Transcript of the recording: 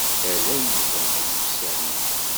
Ala Yuba i yuksanen.